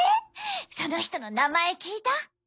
その人の名前聞いた？